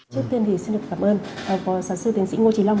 trước tiên thì xin được cảm ơn phó giáo sư tiến sĩ ngô trí long